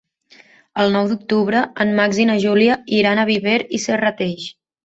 El nou d'octubre en Max i na Júlia iran a Viver i Serrateix.